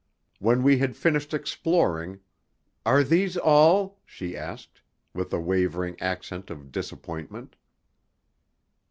When we had finished exploring, "Are these all?" she asked, with a wavering accent of disappointment.